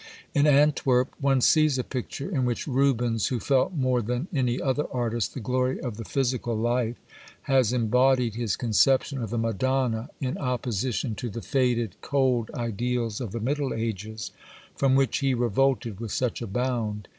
In Antwerp one sees a picture in which Rubens, who felt more than any other artist the glory of the physical life, has embodied his conception of the Madonna, in opposition to the faded, cold ideals of the Middle Ages, from which he revolted with such a bound.